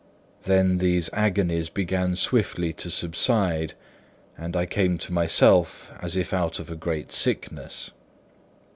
Then these agonies began swiftly to subside, and I came to myself as if out of a great sickness.